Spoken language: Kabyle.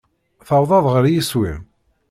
Tewwḍeḍ ɣer yiswi-m?